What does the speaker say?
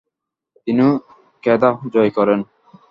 তিনি কেদাহ জয় করেন।